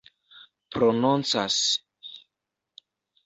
prononcas